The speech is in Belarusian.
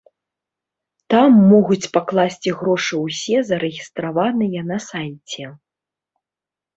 Там могуць пакласці грошы ўсе зарэгістраваныя на сайце.